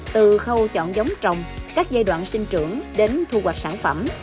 từ khâu chọn giống trồng các giai đoạn sinh trưởng đến thu hoạch sản phẩm